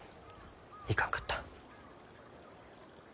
いかんかった。